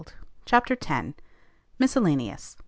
CHAPTER X. MISCELLANEOUS.